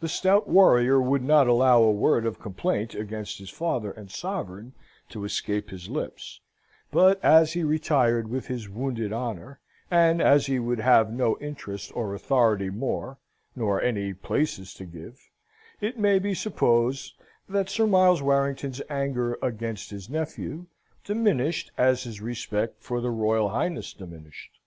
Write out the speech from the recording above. The stout warrior would not allow a word of complaint against his father and sovereign to escape his lips; but, as he retired with his wounded honour, and as he would have no interest or authority more, nor any places to give, it may be supposed that Sir Miles Warrington's anger against his nephew diminished as his respect for his Royal Highness diminished.